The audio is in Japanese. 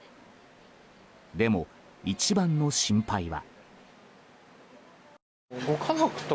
でも、一番の心配は。